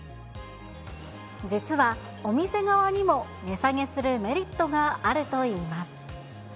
実はお店側にも値下げするメリットがあるといいます。